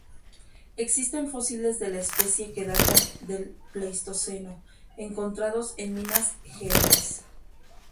Existen fósiles de la especie que datan del Pleistoceno, encontrados en Minas Gerais.